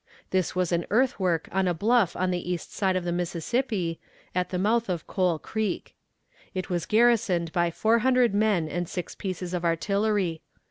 This was an earthwork on a bluff on the east side of the Mississippi, at the mouth of Coal Creek. It was garrisoned by four hundred men and six pieces of artillery.